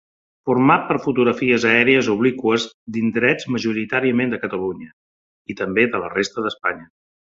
Format per fotografies aèries obliqües d'indrets majoritàriament de Catalunya, i també de la resta d'Espanya.